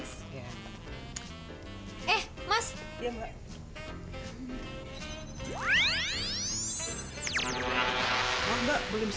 karena kalian berdua sudah menemukan dompet saya ini